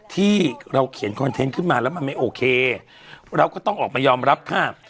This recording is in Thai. ที่เราเขียนคอนเทนต์ขึ้นมาแล้วมันไม่โอเคเราก็ต้องออกมายอมรับภาพ